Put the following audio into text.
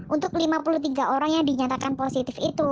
untuk lima puluh tiga orang yang dinyatakan positif itu